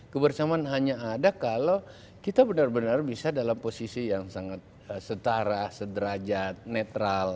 kebersamaan hanya ada kalau kita benar benar bisa dalam posisi yang sangat setara sederajat netral